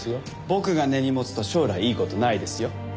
僕が根に持つと将来いい事ないですよ。